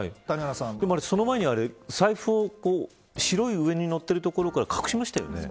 その前に財布を白い上に乗っているところから隠しましたよね。